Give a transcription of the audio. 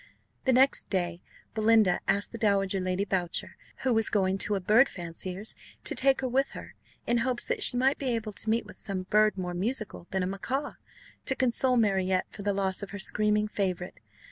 The next day Belinda asked the dowager Lady Boucher, who was going to a bird fancier's, to take her with her, in hopes that she might be able to meet with some bird more musical than a macaw, to console Marriott for the loss of her screaming favourite.